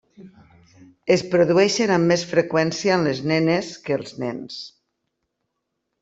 Es produeixen amb més freqüència en les nenes que els nens.